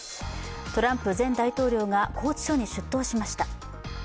トランプ前大統領が拘置所に出頭しました。